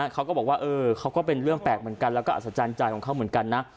เขาก็บอกว่าเขาก็เป็นเรื่องแปลกเหมือนกันแล้วก็อัศจรรย์ใจของเขาเหมือนกันนะ